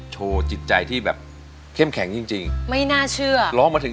จิตใจที่แบบเข้มแข็งจริงจริงไม่น่าเชื่อร้องมาถึง